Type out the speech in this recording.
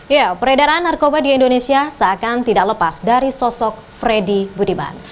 ya peredaran narkoba di indonesia seakan tidak lepas dari sosok freddy budiman